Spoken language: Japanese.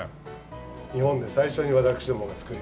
日本で最初に私どもが作りました。